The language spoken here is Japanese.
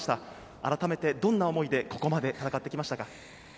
あらためて、どんな思いでここまで戦ってきましたか？